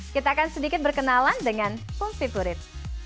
kita akan sedikit berkenalan dengan pum vipurit